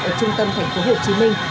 ở trung tâm thành phố hồ chí minh